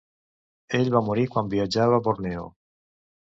Ell va morir quan viatjava a Borneo.